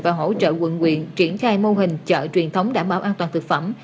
và hỗ trợ quận quyện triển khai mô hình chợ truyền thống đảm bảo an toàn thực phẩm